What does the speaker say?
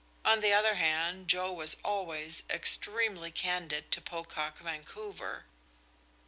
On the other hand Joe was always extremely candid to Pocock Vancouver.